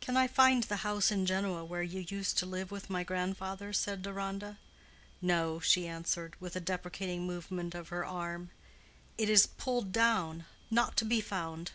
"Can I find the house in Genoa where you used to live with my grandfather?" said Deronda. "No," she answered, with a deprecating movement of her arm, "it is pulled down—not to be found.